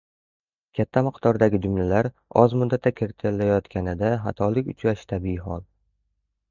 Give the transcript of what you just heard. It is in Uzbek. Katta miqdordagi jumlalar oz muddatda kiritilayotganida xatolik uchrashi tabiiy hol.